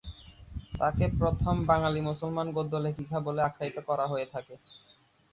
তাকে প্রথম বাঙালি মুসলমান গদ্য লেখিকা বলে আখ্যায়িত করা হয়ে থাকে।